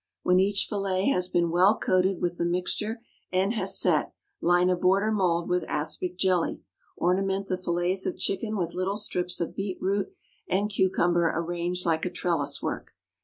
When each fillet has been well coated with the mixture and has set, line a border mould with aspic jelly, ornament the fillets of chicken with little strips of beet root and cucumber arranged like a trellis work.